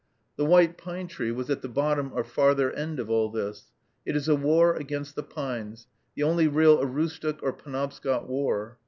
The white pine tree was at the bottom or farther end of all this. It is a war against the pines, the only real Aroostook or Penobscot war.